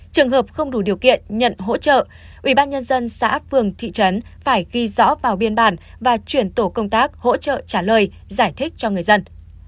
trường hợp không đủ điều kiện nhận hỗ trợ ubnd xã phường thị trấn phải ghi rõ vào biên bản và chuyển tổ công tác hỗ trợ trả lời giải thích cho người dân